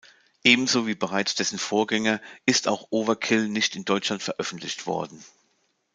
Ebenso wie bereits dessen Vorgänger ist auch Overkill nicht in Deutschland veröffentlicht worden.